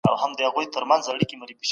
موږ به د بشريت فلاح ته کار وکړو.